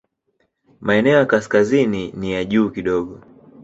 Maeneo ya kaskazini ni ya juu kidogo.